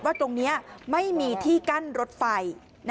ตรงนี้ไม่มีที่กั้นรถไฟ